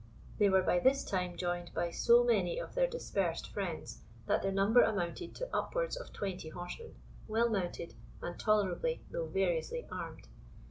They were by this time joined by so many of their dispersed friends, that their number amounted to upwards of twenty horsemen, well mounted, and tolerably, though variously, armed.